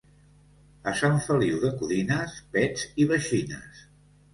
A Sant Feliu de Codines, pets i veixines.